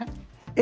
え？